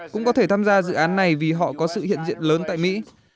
cũng có thể tham gia dự án này vì họ có sự hiện diện lớn tại mỹ